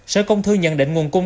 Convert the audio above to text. sở công thư nhận định nguồn cung